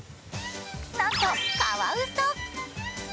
なんとカワウソ。